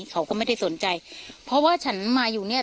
เขาก็ไม่ได้สนใจเพราะว่าฉันมาอยู่เนี่ย